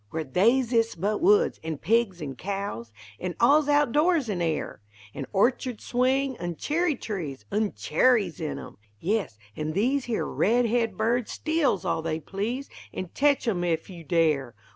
where They's ist but woods an' pigs, an' cows An' all's out doors an' air! An' orchurd swing; an' churry trees An' churries in 'em! Yes, an' these Here red head birds steals all they please, An' tetch 'em ef you dare!